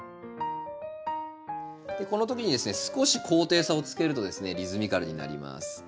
このときにですね少し高低差をつけるとリズミカルになります。